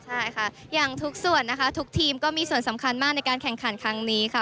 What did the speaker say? ใช่ค่ะอย่างทุกส่วนนะคะทุกทีมก็มีส่วนสำคัญมากในการแข่งขันครั้งนี้ค่ะ